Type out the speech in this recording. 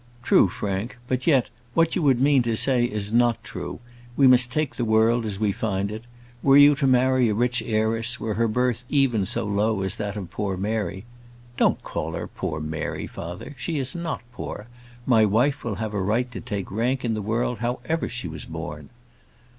"True, Frank. But yet, what you would mean to say is not true. We must take the world as we find it. Were you to marry a rich heiress, were her birth even as low as that of poor Mary " "Don't call her poor Mary, father; she is not poor. My wife will have a right to take rank in the world, however she was born."